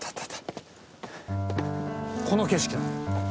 この景色。